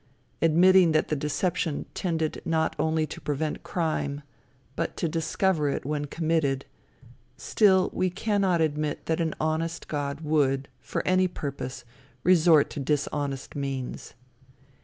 Admitting that the deception tended not only to prevent crime, but to discover it when committed, still, we cannot admit that an honest god would, for any purpose, resort to dishonest means.